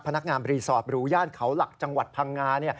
พนักงานรีสอร์ทหรูย่านเขาหลักจังหวัดพังงา